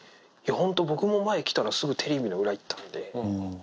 本当、僕も前、来たときは、すぐテレビの裏行ったんで。